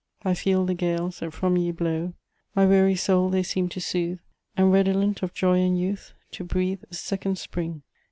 I feel the gales that from ye blow, ...... My weary soul they seem to soothe, And redolent of joy and youth, To breathe a second spring.